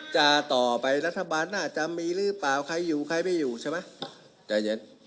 ใจเย็นเขาเรียกอะไรเขาเรียกอะไร